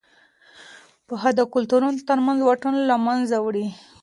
پوهه د کلتورونو ترمنځ واټن له منځه وړي.